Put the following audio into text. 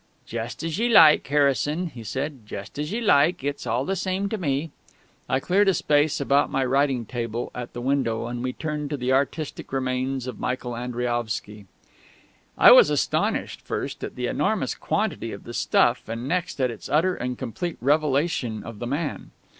"Just as ye like, Harrison," he said, "just as ye like. It's all the same to me...." I cleared a space about my writing table at the window, and we turned to the artistic remains of Michael Andriaovsky. I was astonished, first, at the enormous quantity of the stuff, and next at its utter and complete revelation of the man.